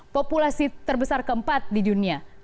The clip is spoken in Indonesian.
populasi terbesar keempat di dunia